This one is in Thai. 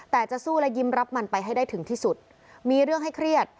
แต่จะสู้และยิ้มรับมันไปให้ได้ถึงที่สุดมีเรื่องให้เครียด